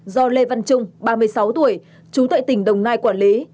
do lê văn trung ba mươi sáu tuổi trú tại tỉnh đồng nai quản lý